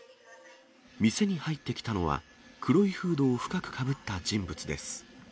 店に入ってきたのは、黒いフードを深くかぶった人物です。